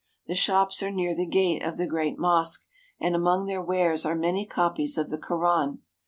The shops are near the gate of the Great Mosque and among their wares are many copies of the Koran.